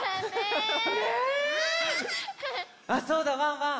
あっそうだワンワン。